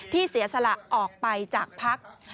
ที่เสียสละออกไปจากภักดิ์